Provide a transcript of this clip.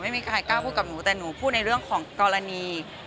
ไม่มีใครกล้าพูดกับหนูแต่หนูพูดในเรื่องของกรณี